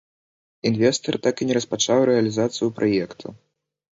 Інвестар так і не распачаў рэалізацыю праекта.